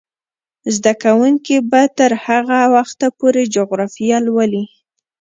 زده کوونکې به تر هغه وخته پورې جغرافیه لولي.